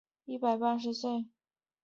寿至一百一十八岁。